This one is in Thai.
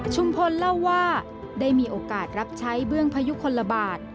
พลเล่าว่าได้มีโอกาสรับใช้เบื้องพยุคลบาท